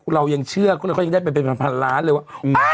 เรายังเชื่อเขายังได้เป็นประมาณ๑๐๐๐ล้านเลยว่า